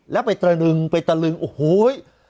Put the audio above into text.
แล้วไปตระหนึ่งไปตระหนึ่งโอ้โหเฮ้ย